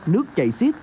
nước chạy xiết